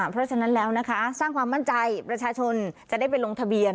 เพราะฉะนั้นแล้วนะคะสร้างความมั่นใจประชาชนจะได้ไปลงทะเบียน